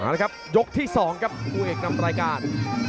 มาแล้วครับยกที่สองครับครูเอกนำรายการ